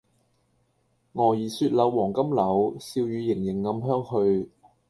蛾兒雪柳黃金縷，笑語盈盈暗香去